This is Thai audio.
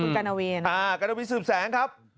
การาวีสืบแสงครับ